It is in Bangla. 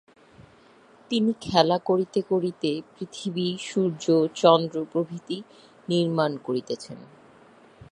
তিনি খেলা করিতে করিতে পৃথিবী, সূর্য, চন্দ্র প্রভৃতি নির্মাণ করিতেছেন।